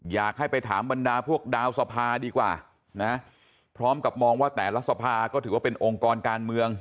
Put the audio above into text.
อยากให้ไปถามบรรดาพวกดาวสภาดีกว่านะพร้อมกับมองว่าแต่ละสภาก็ถือว่าเป็นองค์กรการเมือง